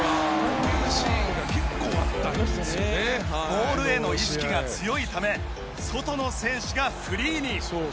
ボールへの意識が強いため外の選手がフリーに。